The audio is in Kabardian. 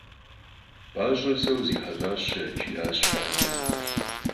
«P'aş'er se khızihelh'aşeret» jji'aş fadem.